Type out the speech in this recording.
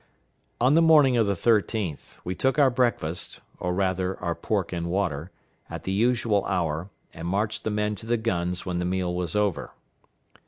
On the morning of the 13th, we took our breakfast or, rather, our pork and water at the usual hour, and marched the men to the guns when the meal was over.